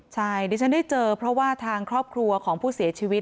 ใช่ดิฉันได้เจอเพราะว่าทางครอบครัวของผู้เสียชีวิต